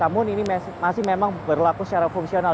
namun ini masih memang berlaku secara fungsional